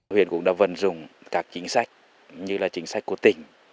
huyện cũng đã vận dụng các chính sách như là chính sách của tỉnh